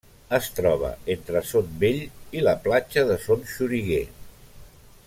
Es troba entre Son Vell i la Platja de Son Xoriguer.